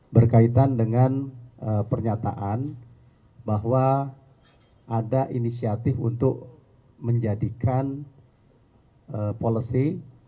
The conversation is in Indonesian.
berkaitan dengan pernyataan bahwa ada inisiatif untuk menjadikan polisi